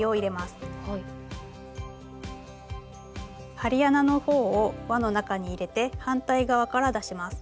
針穴の方をわの中に入れて反対側から出します。